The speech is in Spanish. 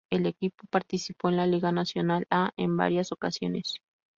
El equipo participó en la Liga Nacional A en varias ocasiones.